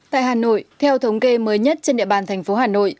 tại hà nội theo thống kê mới nhất trên địa bàn thành phố hà nội